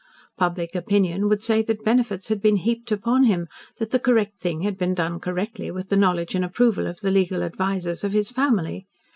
Public opinion would say that benefits had been heaped upon him, that the correct thing had been done correctly with the knowledge and approval of the legal advisers of his family.